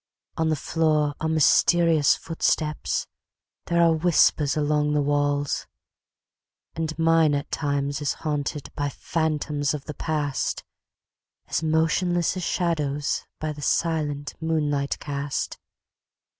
On the floor are mysterious footsteps, There are whispers along the walls! And mine at times is haunted By phantoms of the Past As motionless as shadows By the silent moonlight cast.